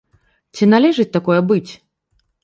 Ці належыць такое быць?